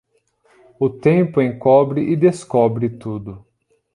O tempo encobre e descobre tudo.